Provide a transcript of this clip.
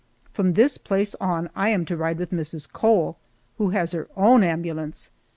From this place on I am to ride with Mrs. Cole, who has her own ambulance.